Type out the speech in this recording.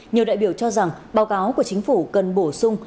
nhiều đại biểu cho rằng báo cáo của chính phủ cần bổ sung